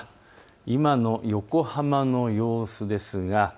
今の横浜の様子です。